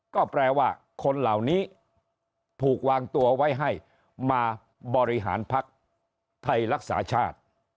ก็แปลว่าคนเหล่านี้ถูกวางตัวไว้ให้มาบริหารพักไทยรักษาชาติ